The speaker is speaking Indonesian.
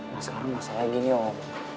masalahnya masalahnya gini om